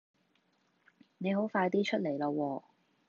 你好快啲出嚟啦喎